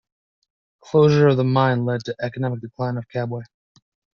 Closure of the mine led to economic decline for Kabwe.